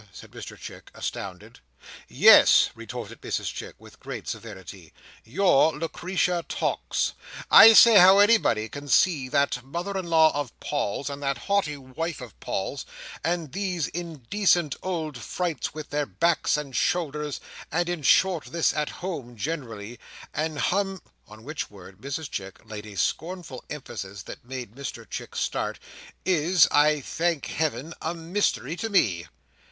said Mr Chick, astounded. "Yes," retorted Mrs Chick, with great severity, "your Lucretia Tox—I say how anybody can see that mother in law of Paul's, and that haughty wife of Paul's, and these indecent old frights with their backs and shoulders, and in short this at home generally, and hum—" on which word Mrs Chick laid a scornful emphasis that made Mr Chick start, "is, I thank Heaven, a mystery to me!"